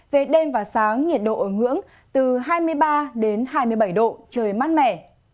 về đêm và sáng nhiệt độ ở ngưỡng từ hai mươi ba đến hai mươi bảy độ trời mát mẻ